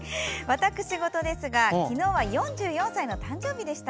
私事ですが昨日は４４歳の誕生日でした。